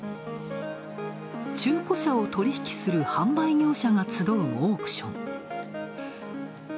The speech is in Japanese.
中古車を取引する販売業者が集うオークション。